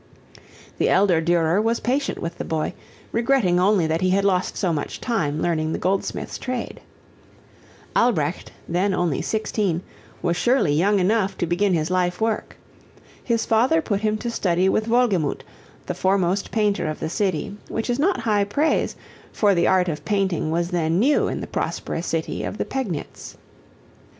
The elder Durer was patient with the boy, regretting only that he had lost so much time learning the goldsmith's trade. Albrecht, then only sixteen, was surely young enough to begin his life work! His father put him to study with Wolgemut, the foremost painter of the city, which is not high praise, for the art of painting was then new in the prosperous city of the Pegnitz.